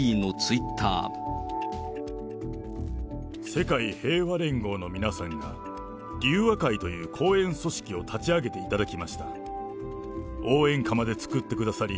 世界平和連合の皆さんが、隆和会という後援組織を立ち上げていただきました。